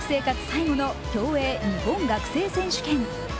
最後の競泳・日本学生選手権。